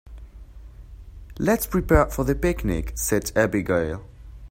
"Let's prepare for the picnic!", said Abigail.